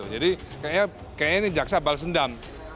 jadi kayaknya ini jaksa balas dendam